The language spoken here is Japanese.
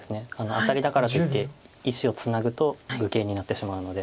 アタリだからといって石をツナぐと愚形になってしまうので。